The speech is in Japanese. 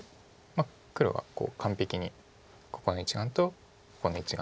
黒が完璧にここの１眼とここの１眼で。